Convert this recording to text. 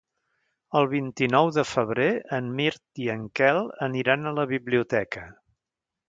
El vint-i-nou de febrer en Mirt i en Quel aniran a la biblioteca.